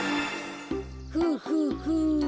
フフフ。